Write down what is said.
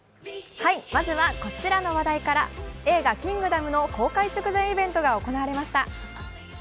まずはこちらの話題から、映画「キングダム」の公開直前イベントが開かれました。